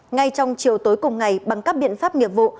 ngay trong chiều tối cùng ngày bằng các biện pháp nghiệp vụ